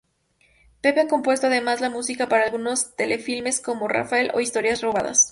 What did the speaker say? Pepe ha compuesto además la música para algunos telefilmes como "Raphael" o "Historias robadas".